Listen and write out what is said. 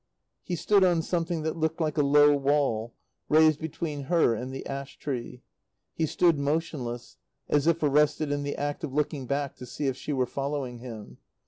He stood on something that looked like a low wall, raised between her and the ash tree; he stood motionless, as if arrested in the act of looking back to see if she were following him.